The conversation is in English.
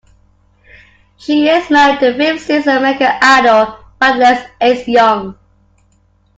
She is married to fifth season "American Idol" finalist Ace Young.